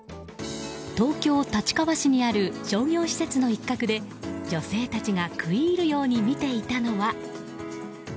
東京・立川市にある商業施設の一角で女性たちが食い入るように見ていたのは。